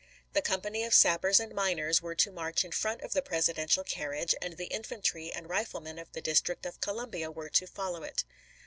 The company of sappers and miners were to march in front of the Presidential car riage, and the infantry and riflemen of the District of Columbia were to follow it.